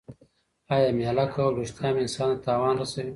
آیا مېله کول رښتیا هم انسان ته تاوان رسوي؟